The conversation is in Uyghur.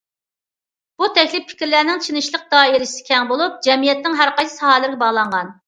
بۇ تەكلىپ پىكىرلەرنىڭ چېتىشلىق دائىرىسى كەڭ بولۇپ، جەمئىيەتنىڭ ھەر قايسى ساھەلىرىگە باغلانغان.